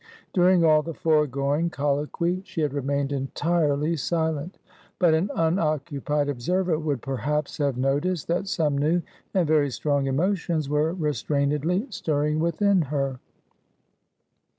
During all the foregoing colloquy, she had remained entirely silent; but an unoccupied observer would perhaps have noticed, that some new and very strong emotions were restrainedly stirring within her.